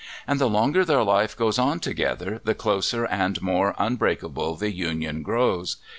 And the longer their life goes on together the closer and more unbreakable the union grows.